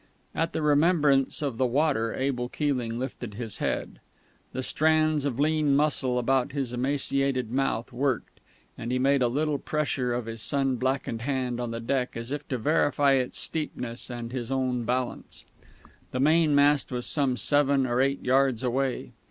At the remembrance of the water Abel Keeling lifted his head. The strands of lean muscle about his emaciated mouth worked, and he made a little pressure of his sun blackened hand on the deck, as if to verify its steepness and his own balance. The mainmast was some seven or eight yards away....